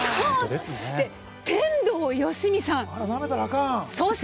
天童よしみさん。